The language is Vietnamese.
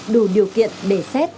đủ điều kiện đề xét